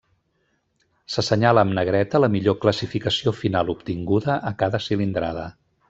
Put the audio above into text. S'assenyala amb negreta la millor classificació final obtinguda a cada cilindrada.